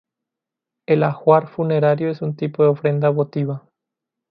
El ajuar funerario es un tipo de ofrenda votiva.